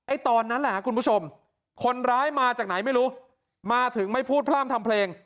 ตอนนั้นแหละคุณผู้ชมคนร้ายมาจากไหนไม่รู้มาถึงไม่พูดพร่ำทำเพลง